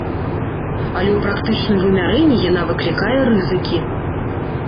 Але ў практычным вымярэнні яна выклікае рызыкі.